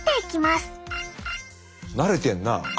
慣れてんな彼。